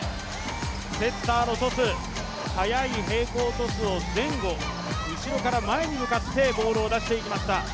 セッターのトス、速い平行トスを前後、後ろから前に向かってボールを出していきました。